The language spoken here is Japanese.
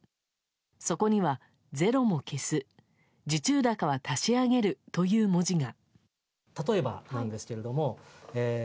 そこにはゼロも消す受注高は足し上げるという文字が。